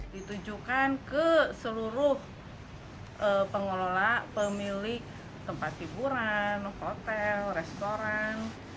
ditujukan ke seluruh pengelola pemilik tempat hiburan hotel restoran